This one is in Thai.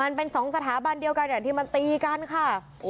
มันเป็นสองสถาบันเดียวกันที่มันตีกันค่ะ